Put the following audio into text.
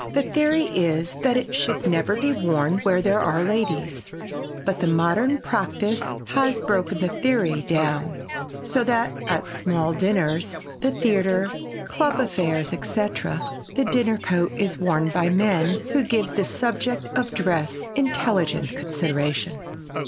The theory is that it should never be worn where there are ladies, but the modern practise has broken the theory down so that at small dinners, the theater, club affairs, etc., the dinner coat is worn by men who give the subject of dress intelligent consideration.